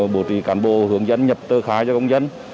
bổ trí cán bộ hướng dẫn nhập tờ khai cho công dân